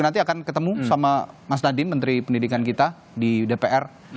nanti akan ketemu sama mas nadiem menteri pendidikan kita di dpr